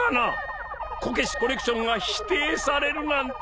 こけしコレクションが否定されるなんて。